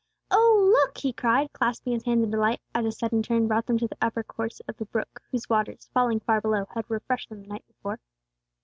"Oh, look!" he cried, clasping his hands in delight, as a sudden turn brought them to the upper course of the brook whose waters, falling far below, had refreshed them the night before.